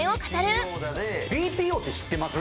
ＢＰＯって知ってます？